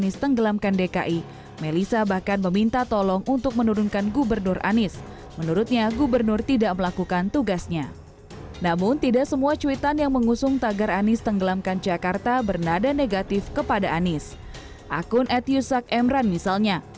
saya bagian bekerja untuk menuntaskan dampaknya